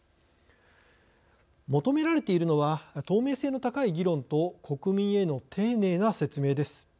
求められているのは透明性の高い議論と国民への丁寧な説明です。